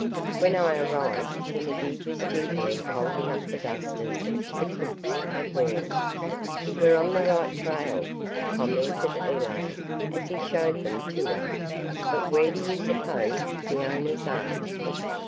When I arrived Kennedy was gingerly holding up the dusters which the crooks had worn. "We're on the right trail," commented Elaine as he showed them to her, "but where do you suppose the owners are?"